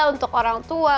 untuk orang tua